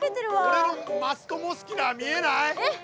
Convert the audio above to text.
俺のマストモスキュラー見えない？えっ？